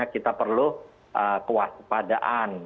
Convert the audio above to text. kita perlu kewaspadaan